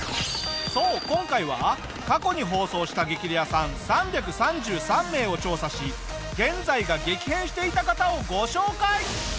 そう今回は過去に放送した激レアさん３３３名を調査し現在が激変していた方をご紹介！